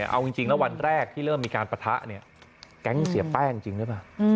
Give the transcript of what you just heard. เอาจริงแล้ววันแรกที่เริ่มมีการปะทะเนี่ยแก๊งเสียแป้งจริงหรือเปล่า